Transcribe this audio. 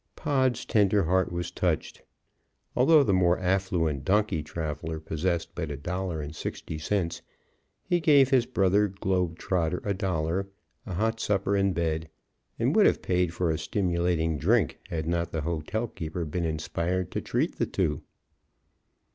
Pod's tender heart was touched. Although the more affluent donkey traveler possessed but a dollar and sixty cents, he gave his brother globe trotter a dollar, a hot supper and bed, and would have paid for a stimulating drink had not the hotel keeper been inspired to treat the two.